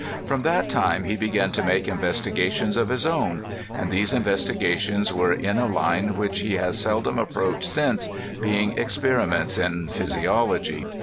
From that time he began to make investigations of his own, and these investigations were in a line which he has seldom approached since, being experiments in physiology.